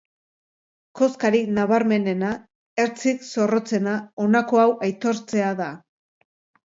Koskarik nabarmenena, ertzik zorrotzena, honako hau aitortzea da.